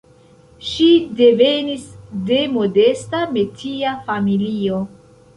Ŝi devenis de modesta metia familio.